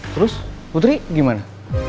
terus putri gimana